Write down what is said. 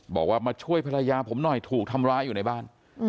บอกว่ามาช่วยภรรยาผมหน่อยถูกทำร้ายอยู่ในบ้าน